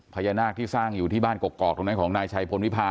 พญานาคที่สร้างอยู่ที่บ้านกอกตรงนั้นของนายชัยพลวิพา